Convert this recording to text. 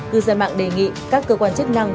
cư dân mạng đề nghị các cơ quan chức năng